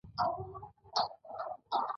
او یا د دواړو ډلو ټول غړي په دسیسه کې برخه لري.